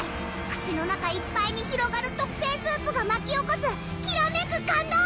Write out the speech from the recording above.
口の中いっぱいに広がる特製スープがまき起こすきらめく感動！